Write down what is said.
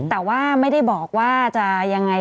แต่ว่าไม่ได้บอกว่าจะยังไง